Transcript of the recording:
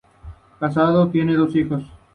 Casado, tiene dos hijos.